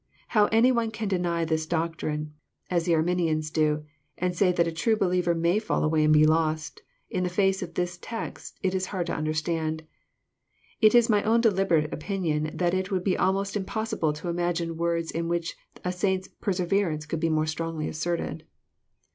How any one can deny this doctrine, as the Arminians do, and say that a true believer may fall away and be lost, in the face of this text, it is hard to understand. It is my own deliberate opinion that It would be almost impossible to imagine words in which a saint's " perseverance " could be more strongly asserted.